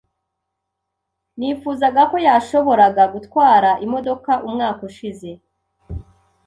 Nifuzaga ko yashoboraga gutwara imodoka umwaka ushize .